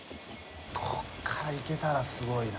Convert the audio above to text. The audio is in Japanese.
ここからいけたらすごいな。